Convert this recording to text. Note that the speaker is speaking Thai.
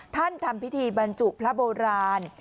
ทำพิธีบรรจุพระโบราณ